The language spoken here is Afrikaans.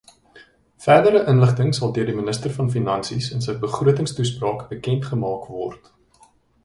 Verdere inligting sal deur die Minister van Finansies in sy begrotingstoespraak bekendgemaak word.